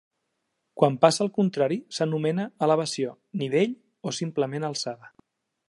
Quan passa el contrari s'anomena elevació, nivell o simplement alçada.